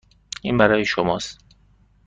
این برای شماست.